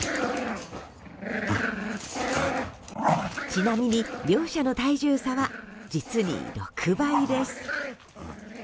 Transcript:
ちなみに両者の体重差は実に６倍です。